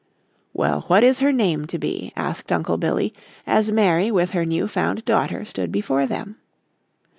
"Well, what is her name to be?" asked Uncle Billy, as Mary with her new found daughter stood before them.